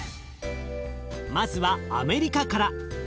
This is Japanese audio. まずはアメリカから。